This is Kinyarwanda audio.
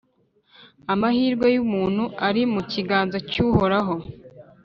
Amahirwe y’umuntu ari mu kiganza cy’Uhoraho,